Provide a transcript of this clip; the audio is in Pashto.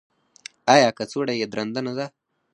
ایا کڅوړه یې درنده نه ده؟